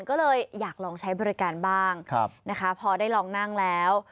ก็เลยอยากลองใช้บริการบ้างนะคะพอได้ลองนั่งแล้ว